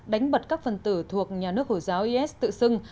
đánh bật các phần tử thuộc nhà nước hồi giáo is tự xưng